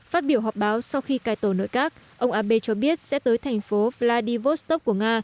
phát biểu họp báo sau khi cải tổ nội các ông abe cho biết sẽ tới thành phố vladivostok của nga